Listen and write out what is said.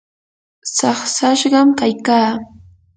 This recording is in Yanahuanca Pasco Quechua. saqsashqam kaykaa.